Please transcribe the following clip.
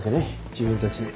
自分たちで。